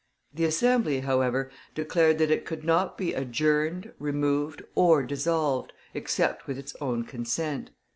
The Assembly, however, declared that it could not be adjourned, removed or dissolved, except with its own consent.